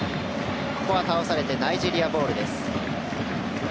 ここは倒されてナイジェリアボール。